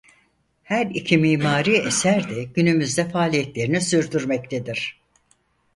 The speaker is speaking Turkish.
Her iki mimari eserde günümüzde faaliyetlerini sürdürmektedir.